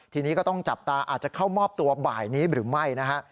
ทีนี้ก็ต้องจับตาอาจจะเข้ามอบตัวบ่ายนี้หรือไม่นะฮะ